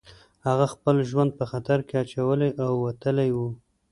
هغه خپل ژوند په خطر کې اچولی او وتلی و